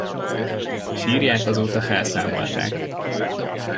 Sírját azóta felszámolták.